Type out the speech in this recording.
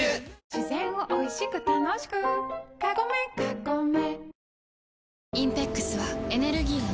自然をおいしく楽しくカゴメカゴメ